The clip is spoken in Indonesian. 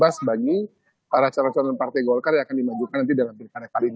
jadi kita berhasil membahas bagi cara cara partai golkar yang akan dimanjurkan nanti dalam periksaan kali ini